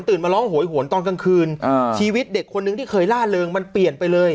มาร้องโหยหวนตอนกลางคืนชีวิตเด็กคนนึงที่เคยล่าเริงมันเปลี่ยนไปเลย